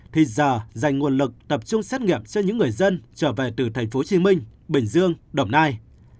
thì giờ dành nguồn lực tập trung xét nghiệm cho những người dân trở về từ tp hcm bình dương đồng nai